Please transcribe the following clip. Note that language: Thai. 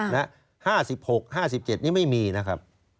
๕๖๕๗นี้ไม่มีนะครับ